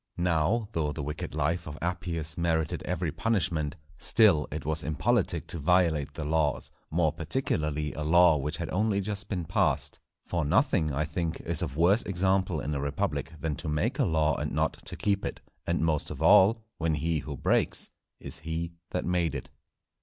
Now, though the wicked life of Appius merited every punishment, still it was impolitic to violate the laws, more particularly a law which had only just been passed; for nothing, I think, is of worse example in a republic, than to make a law and not to keep it; and most of all, when he who breaks is he that made it.